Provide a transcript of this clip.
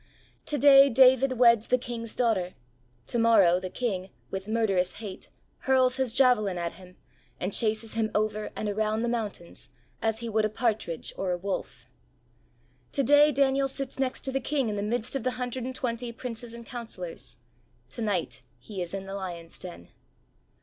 To day David weds the King's daughter; to morrow the king, with murderous hate, hurls his javelin at him and chases him over and around the mountains as he would a partridge or a wolf. To day Daniel sits next to the king in the midst of the hundred and twenty princes and counsellors ; to night he is in the lions' den.